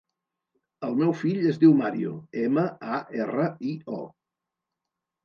El meu fill es diu Mario: ema, a, erra, i, o.